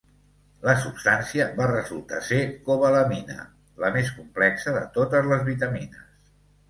La substància va resultar ser cobalamina -la més complexa de totes les vitamines-.